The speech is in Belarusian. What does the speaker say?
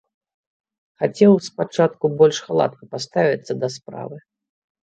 Хацеў спачатку больш халатна паставіцца да справы.